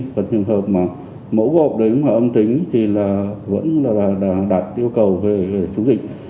còn trường hợp mà mẫu gộp đấy mà âm tính thì là vẫn là đạt yêu cầu về chống dịch